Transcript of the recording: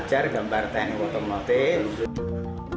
baca gambar teknik otomotif